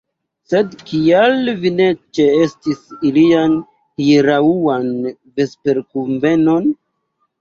Sed kial vi ne ĉeestis ilian hieraŭan vesperkunvenon?